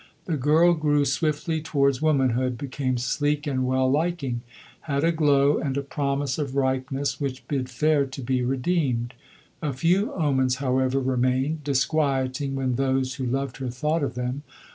The girl grew swiftly towards womanhood, became sleek and well liking; had a glow and a promise of ripeness which bid fair to be redeemed. A few omens, however, remained, disquieting when those who loved her thought of them.